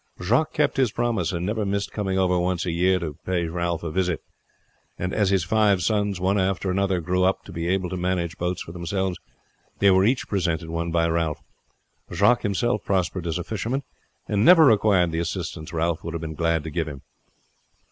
Jacques kept his promise, and never missed coming over once year to pay Ralph a visit, and as his five sons one after another grew up to be able to manage boats for themselves, they were each presented one by Ralph. Jacques himself prospered as a fisherman, and never required the assistance Ralph would have been glad to give him.